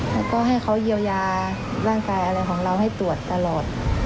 แล้วก็ให้เขาเยียวยาร่างกายอะไรของเราให้ตรวจตลอด